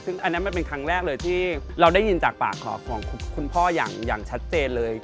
ซึ่งอันนั้นมันเป็นครั้งแรกเลยที่เราได้ยินจากปากของคุณพ่ออย่างชัดเจนเลย